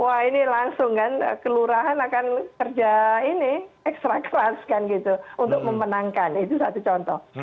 wah ini langsung kan kelurahan akan kerja ini ekstra keras kan gitu untuk memenangkan itu satu contoh